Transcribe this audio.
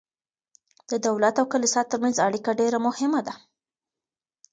د دولت او کلیسا ترمنځ اړیکه ډیره مهمه ده.